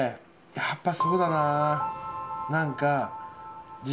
やっぱそうだな。